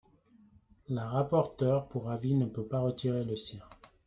La rapporteure pour avis ne peut pas retirer le sien